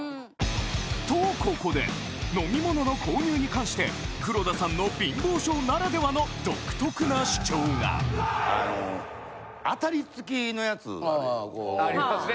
とここで「飲み物の購入」に関して黒田さんの貧乏性ならではの独特な主張があの。ありますね